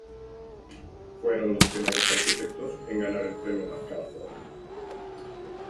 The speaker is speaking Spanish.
Fueron los primeros arquitectos en ganar el Premio MacArthur.